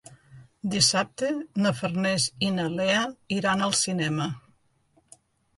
Dissabte na Farners i na Lea iran al cinema.